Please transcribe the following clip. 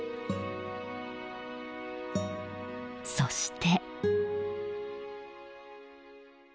そして。